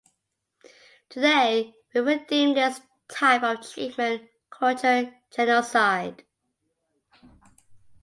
Today we would deem this type of treatment 'Cultural Genocide'.